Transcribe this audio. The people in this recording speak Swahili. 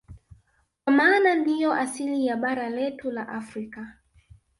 Kwa maana ndiyo asili ya bara letu la Afrika